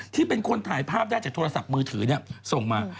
ที่เป็นคนถ่ายภาพได้จากโทรศัพท์มือถือส่งมา